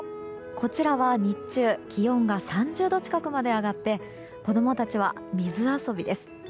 こちらは日中気温が３０度近くまで上がって子供たちは水遊びです。